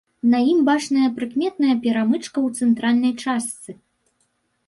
На ім бачная прыкметная перамычка ў цэнтральнай частцы.